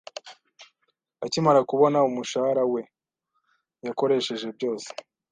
Akimara kubona umushahara we, yakoresheje byose.